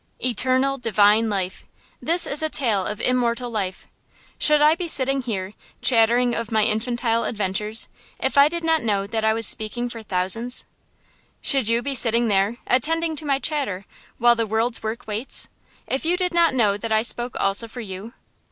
Eternal, divine life. This is a tale of immortal life. Should I be sitting here, chattering of my infantile adventures, if I did not know that I was speaking for thousands? Should you be sitting there, attending to my chatter, while the world's work waits, if you did not know that I spoke also for you?